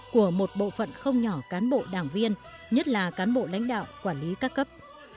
của một bộ phận không nhỏ cán bộ đảng viên nhất là cán bộ lãnh đạo quản lý các cấp